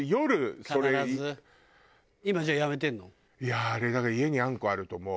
もうあれだから家にあんこあるともう。